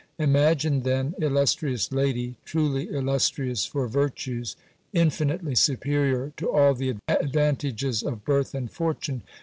Imagine then, illustrious lady, truly illustrious for virtues, infinitely superior to all the advantages of birth and fortune!